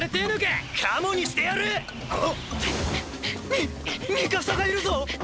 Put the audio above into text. ミミカサがいるぞ！